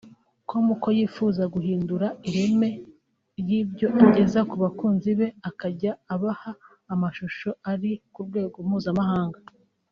com ko yifuza guhindura ireme ry'ibyo ageza ku bakunzi be akajya abaha amashusho ari ku rwego mpuzamahanga